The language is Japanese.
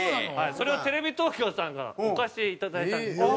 それをテレビ東京さんからお貸しいただいたんですけども。